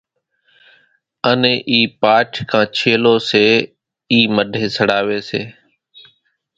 انين اِي پاٺ ڪان ڇيلو سي اِي مڍين سڙاوي سي۔